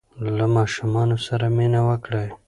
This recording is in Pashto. له ماشومانو سره مینه وکړئ.